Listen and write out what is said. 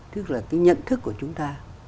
tức là cái nhận thức của chúng ta